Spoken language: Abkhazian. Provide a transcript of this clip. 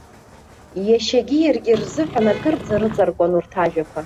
Иашьагьы иаргьы рзыҳәан акырӡа рыҵаркуан урҭ ажәақәа.